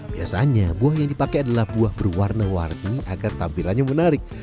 biasanya buah yang dipakai adalah buah berwarna warni agar tampilannya menarik